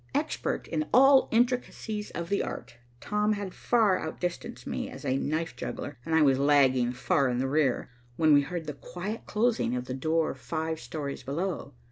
Expert in all intricacies of the art, Tom had far outdistanced me as a knife juggler and I was lagging far in the rear, when we heard the quiet closing of the door five stories below.